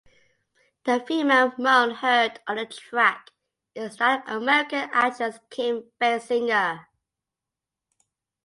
The female moan heard on the track is that of American actress Kim Basinger.